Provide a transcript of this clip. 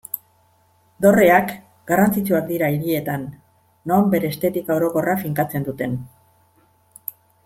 Dorreak garrantzitsuak dira hirietan, non bere estetika orokorra finkatzen duten.